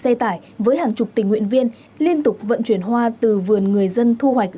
xe tải với hàng chục tình nguyện viên liên tục vận chuyển hoa từ vườn người dân thu hoạch